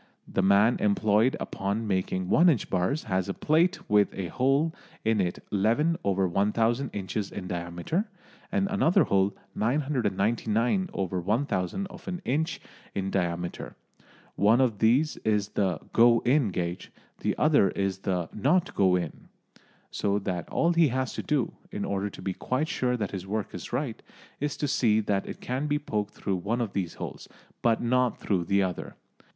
The man employed upon making one inch bars has a plate with a hole in it 1 1/1000 inches in diameter and another hole 999/1000 of an inch in diameter. One of these is the "go in" gauge; the other is the "not go in." So that all he has to do, in order to be quite sure that his work is right, is to see that it can be poked through one of these holes, but not through the other.